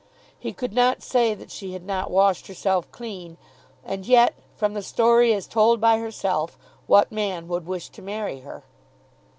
He could not say that she had not washed herself clean; and yet, from the story as told by herself, what man would wish to marry her?